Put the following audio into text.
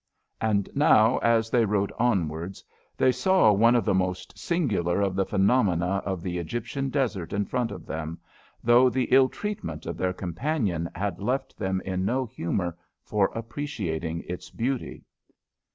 And now as they rode onwards they saw one of the most singular of the phenomena of the Egyptian desert in front of them, though the ill treatment of their companion had left them in no humour for appreciating its beauty.